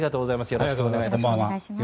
よろしくお願いします。